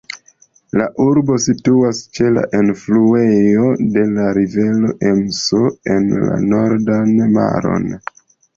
La urbo situas ĉe la enfluejo de la rivero Emso en la Nordan Maron.